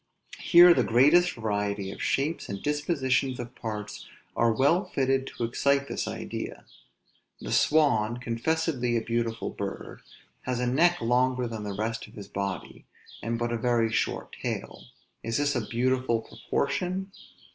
Here the greatest variety of shapes and dispositions of parts are well fitted to excite this idea. The swan, confessedly a beautiful bird, has a neck longer than the rest of his body, and but a very short tail: is this a beautiful proportion?